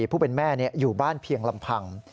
ผู้เป็นแม่อยู่บ้านเพียงลำพัง